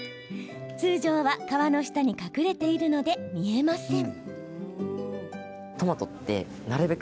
通常は皮の下に隠れているので見えません。